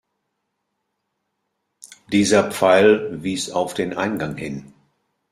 Dieser Pfeil wies auf den Eingang hin.